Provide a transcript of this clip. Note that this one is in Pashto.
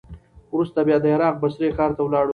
وروسته بیا د عراق بصرې ښار ته ولاړ.